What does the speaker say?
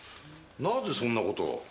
なぜそんなことを？